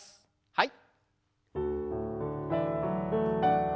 はい。